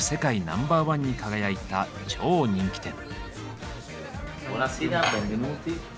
ナンバーワンに輝いた超人気店。